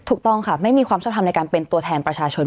ถูกต้องค่ะไม่มีความชอบทำในการเป็นตัวแทนประชาชน